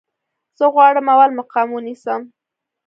زه غواړم اول مقام ونیسم